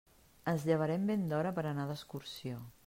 Ens llevarem ben d'hora per anar d'excursió.